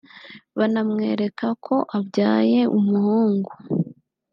banamwereka ko abyaye umuhungu